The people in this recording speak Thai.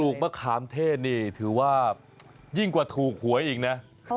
มะขามเทศนี่ถือว่ายิ่งกว่าถูกหวยอีกนะ